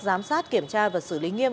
giám sát kiểm tra và xử lý nghiêm